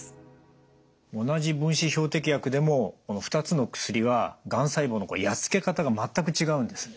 同じ分子標的薬でもこの２つの薬はがん細胞のやっつけ方が全く違うんですね。